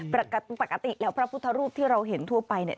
ปกติแล้วพระพุทธรูปที่เราเห็นทั่วไปเนี่ย